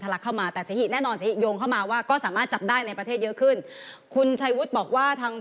ลักเข้ามาแต่เสหิแน่นอนโยงเข้ามาว่าก็สามารถจับได้ในประเทศเยอะขึ้นคุณชัยวุฒิบอกว่าทาง